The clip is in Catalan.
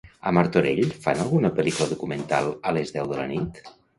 A Martorell fan alguna pel·lícula documental a les deu de la nit?